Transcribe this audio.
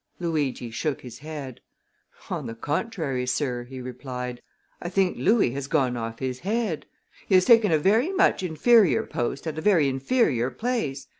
Luigi shook his head. "On the contrary, sir," he replied, "I think Louis has gone off his head. He has taken a very much inferior post at a very inferior place.